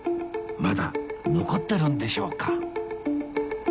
まだ残ってるんでしょうか？